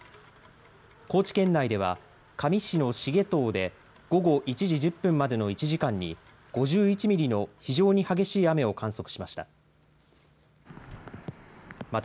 高知県内では香美市の繁藤で午後１時１０分までの１時間に５１ミリの非常に激しい雨を観測しました。